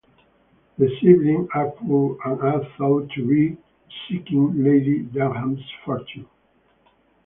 The siblings are poor and are thought to be seeking Lady Denham's fortune.